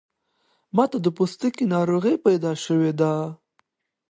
ماته د پوستکی ناروغۍ پیدا شوی ده